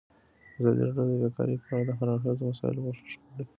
ازادي راډیو د بیکاري په اړه د هر اړخیزو مسایلو پوښښ کړی.